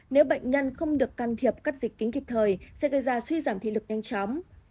nếu bệnh nhân không được can thiệp cắt dịch kính kịp thời sẽ gây ra suy giảm thị lực nhanh chóng